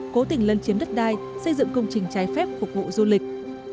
cố tình lân chiếm đất đai xây dựng công trình trái phép phục vụ du lịch